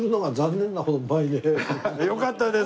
よかったです！